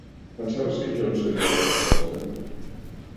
Pensaves que jo en sabia la resposta?